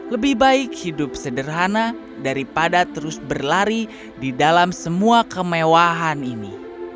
lebih baik hidup sederhana daripada terus berlari di dalam semua kemewahan ini